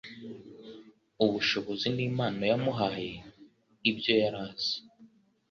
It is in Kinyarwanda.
ubushobozi n’impano yamuhaye. Ibyo yari azi